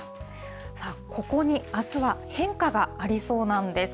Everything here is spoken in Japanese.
さあ、ここにあすは変化がありそうなんです。